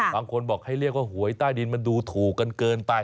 บางคนบอกให้เรียกว่าหวยใต้ดินมันดูถูกกันเกินไป